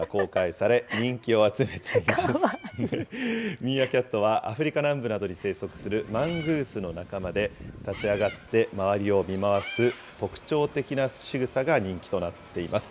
ミーアキャットはアフリカ南部などに生息するマングースの仲間で、立ち上がって周りを見回す特徴的なしぐさが人気となっています。